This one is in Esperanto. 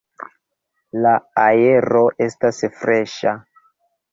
La aero estas freŝa.